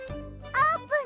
あーぷん！